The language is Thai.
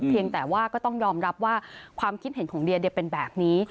เพียงแต่ว่าก็ต้องยอมรับว่าความคิดเห็นของเดียเป็นแบบนี้